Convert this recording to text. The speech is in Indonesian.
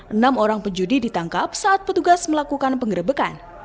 enam orang penjudi ditangkap saat petugas melakukan penggerbekan